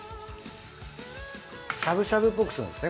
しゃぶしゃぶっぽくするんですね。